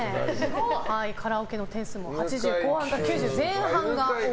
カラオケの点数も８０後半か９０前半か。